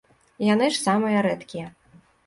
Яны ж самыя рэдкія.